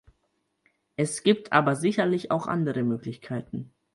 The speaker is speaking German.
Es gibt aber sicherlich auch andere Möglichkeiten.